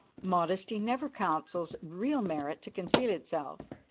Modesty never counsels real merit to conceal itself.